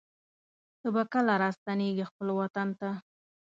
ته به کله راستنېږې خپل وطن ته